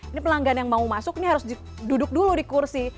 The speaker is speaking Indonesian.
ini pelanggan yang mau masuk ini harus duduk dulu di kursi